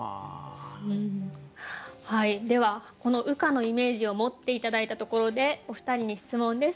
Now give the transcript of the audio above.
ではこの羽化のイメージを持って頂いたところでお二人に質問です。